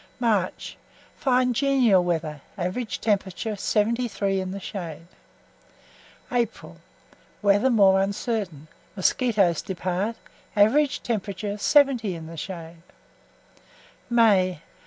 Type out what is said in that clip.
MARCH. Fine genial weather; average temperature, 73 in the shade. APRIL. Weather more uncertain; mosquitos depart; average temperature, 70 in the shade: MAY.